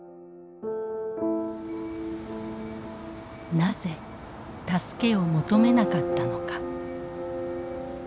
なぜ助けを求めなかったのか。